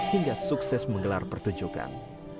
hingga sukses menggelar pertunjukan